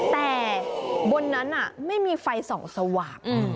แต่บนนั้นไม่มีไฟส่องสว่าง